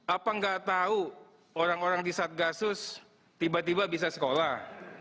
apa nggak tahu orang orang di satgasus tiba tiba bisa sekolah